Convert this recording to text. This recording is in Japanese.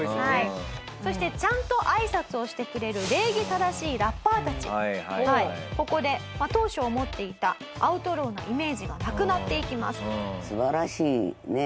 そしてちゃんとあいさつをしてくれるここで当初思っていたアウトローなイメージがなくなっていきます。